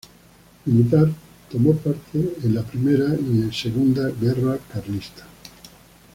Militar, tomó parte en la Primera y Segunda Guerra Carlista.